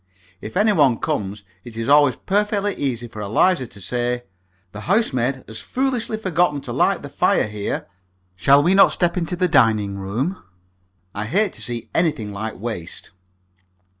If any one comes, it is always perfectly easy for Eliza to say, "The housemaid has foolishly forgotten to light the fire here. Shall we not step into the dining room?" I hate to see anything like waste.